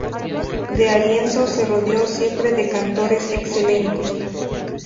D'Arienzo se rodeó siempre de cantores excelentes.